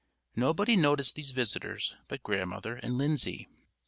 Nobody noticed these visitors but Grandmother and Lindsay.